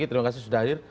terima kasih sudah hadir